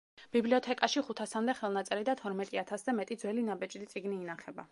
ბიბლიოთეკაში ხუთასამდე ხელნაწერი და თორმეტი ათასზე მეტი ძველი ნაბეჭდი წიგნი ინახება.